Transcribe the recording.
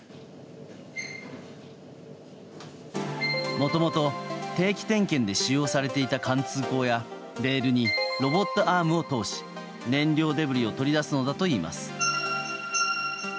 もともと定期点検で使用されていた貫通孔やレールにロボットアームを通し燃料デブリを取り出すのだといいます。